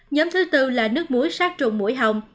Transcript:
nhóm thứ tư là nước muối sát trùng mũi hồng